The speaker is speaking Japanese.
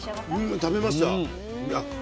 うん食べました。